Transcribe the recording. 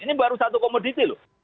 ini baru satu komoditi loh